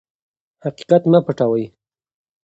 حقیقت مه پټوئ.